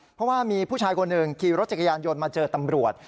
เพราะว่ามีผู้ชายคนหนึ่งขี่รถจักรยานยนต์มาเจอตำรวจ